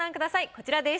こちらです。